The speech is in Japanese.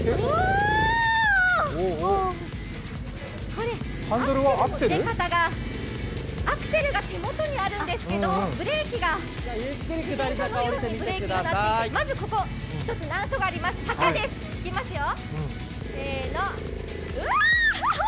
これ、アクセルが手元にあるんですけど、ブレーキが自転車のようにブレーキがなっていてまずここ、１つ難所があります坂です、いきますよ、せーの。